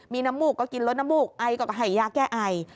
มีน้ำมูกก็กินลดน้ำมูกไอก็ให้ยาแก้ไอ